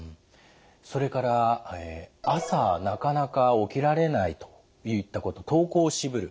それから朝なかなか起きられないといったこと登校をしぶる。